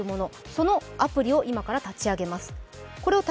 そのアプリを今から立ち上げます。